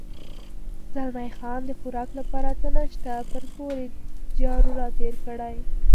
زلمی خان: د خوراک لپاره څه نشته، پر کور یې جارو را تېر کړی.